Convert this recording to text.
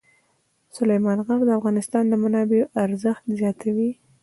سلیمان غر د اقتصادي منابعو ارزښت زیاتوي.